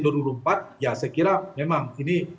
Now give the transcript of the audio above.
ya saya kira memang ini